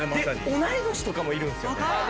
同い年とかもいるんですよね。